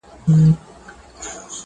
معلومه نه ده چي بوډا ته یې دی غوږ نیولی؛